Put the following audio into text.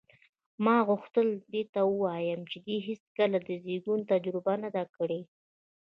ما غوښتل دې ته ووایم چې دې هېڅکله د زېږون تجربه نه ده کړې.